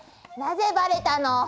なぜバレたの？